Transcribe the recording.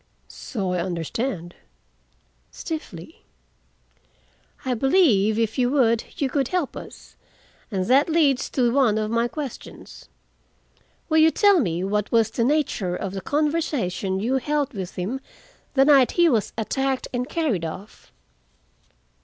"So I understand," stiffly. "I believe, if you would, you could help us, and that leads to one of my questions. Will you tell me what was the nature of the conversation you held with him the night he was attacked and carried off?"